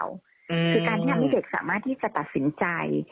คือการที่ทำให้เด็กสามารถที่จะตัดสินใจ